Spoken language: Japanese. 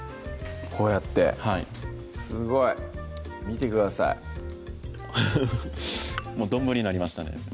こうやってはいすごい見てくださいフフフッ丼になりましたね